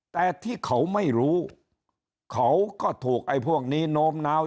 แต่ที่เขาไม่รู้เขาก็ถูกไอ้พวกนี้โน้มน้าว